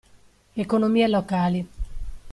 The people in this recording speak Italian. Economie locali.